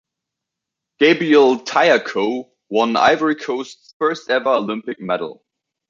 Gabriel Tiacoh won Ivory Coast's first ever Olympic medal.